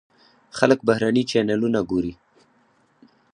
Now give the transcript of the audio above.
خلک بهرني چینلونه ګوري.